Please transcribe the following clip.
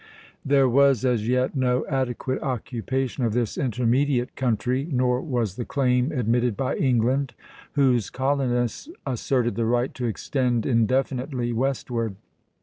There was as yet no adequate occupation of this intermediate country, nor was the claim admitted by England, whose colonists asserted the right to extend indefinitely westward.